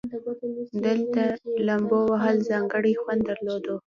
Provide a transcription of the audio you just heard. دلته لومبو وهل ځانګړى خوند درلودو.